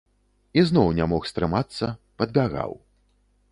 Ізноў не мог стрымацца, падбягаў.